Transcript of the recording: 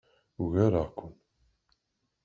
Ugareɣ-ken.